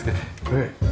ええ。